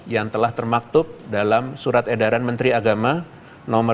yang telah termaktub dalam surat edaran menteri agama nomor dua